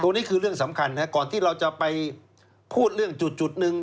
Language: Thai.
นี่คือเรื่องสำคัญก่อนที่เราจะไปพูดเรื่องจุดหนึ่ง